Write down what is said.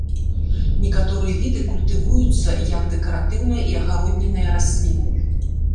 Некаторыя віды культывуюцца як дэкаратыўныя і агароднінныя расліны.